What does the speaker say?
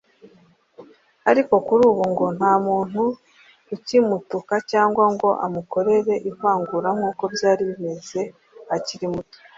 ariko kuri ubu ngo nta muntu ukimutuka cyangwa ngo amukorere ivangura nkuko byari bimeze akiri muto